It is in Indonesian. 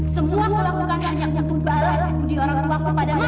semua yang aku lakukan hanya untuk membalas budi orang tua kepada mas